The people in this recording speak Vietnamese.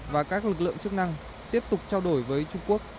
và các lực lượng chức năng tiếp tục trao đổi với trung quốc